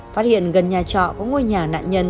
phát hiện gần nhà trọ có ngôi nhà nạn nhân